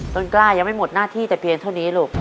ต้นกล้ายังไม่หมดหน้าที่แต่เพียงเท่านี้ลูก